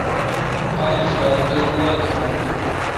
آج رات تو گوا تھون۔